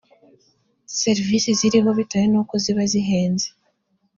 serivisi ziriho bitewe n uko ziba zihenze